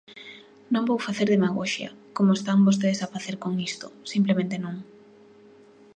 Non vou facer demagoxia, como están vostedes a facer con isto, simplemente non.